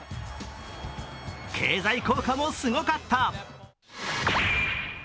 経済効果もすごかった。